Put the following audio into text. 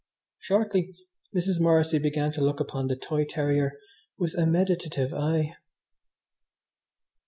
Shortly Mrs. Morrissy began to look upon the toy terrier with a meditative eye.